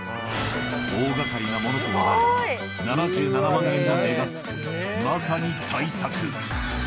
大がかりなものともなれば、７７万円もの値がつく、まさに大作。